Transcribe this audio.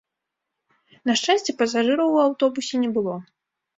На шчасце, пасажыраў у аўтобусе не было.